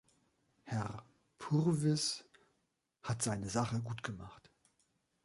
Herr Purvis hat seine Sache gut gemacht.